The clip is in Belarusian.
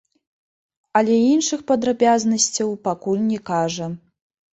Але іншых падрабязнасцяў пакуль не кажа.